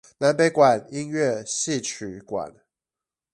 南北管音樂戲曲館